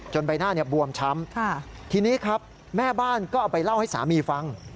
ใบหน้าบวมช้ำทีนี้ครับแม่บ้านก็เอาไปเล่าให้สามีฟัง